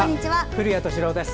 古谷敏郎です。